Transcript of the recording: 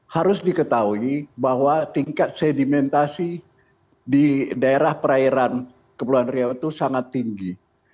harus diketahui bahwa tingkat sedimentasi di daerah perairan kepulauan riau itu sangat tinggi